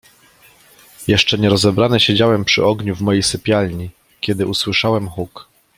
"Jeszcze nie rozebrany siedziałem przy ogniu w mojej sypialni, kiedy usłyszałem huk."